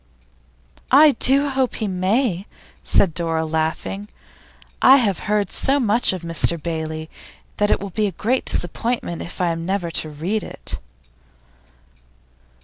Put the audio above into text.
'I do hope he may!' said Dora, laughing. 'I have heard so much of "Mr Bailey," that it will be a great disappointment if I am never to read it.